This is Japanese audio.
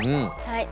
はい。